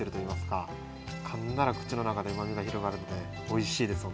かかんだら口の中でうまみが広がるんでおいしいです